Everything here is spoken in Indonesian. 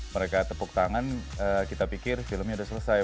mereka tepuk tangan kita pikir filmnya sudah selesai